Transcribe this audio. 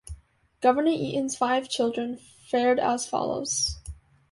Governor Eaton's five children fared as follows.